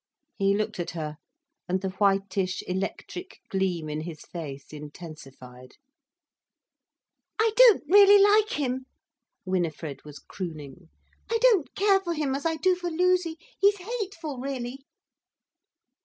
He looked at her, and the whitish, electric gleam in his face intensified. "I don't really like him," Winifred was crooning. "I don't care for him as I do for Loozie. He's hateful really."